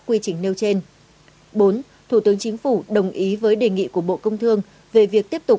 quy trình nêu trên bốn thủ tướng chính phủ đồng ý với đề nghị của bộ công thương về việc tiếp tục